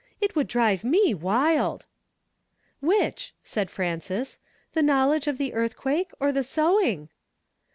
It would dnve me wildl" "Which?" asked Frances; "the knowledge of the earthquake, or the sewing